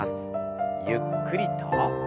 ゆっくりと。